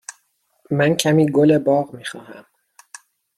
من کمی گل باغ می خواهم.